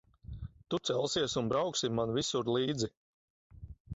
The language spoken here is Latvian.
Tu celsies un brauksi man visur līdzi.